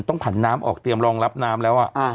ผันน้ำออกเตรียมรองรับน้ำแล้ว